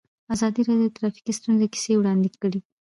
ازادي راډیو د ټرافیکي ستونزې کیسې وړاندې کړي.